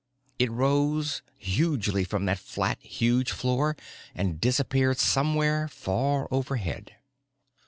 It rose hugely from the flat, huge floor and disappeared somewhere far overhead.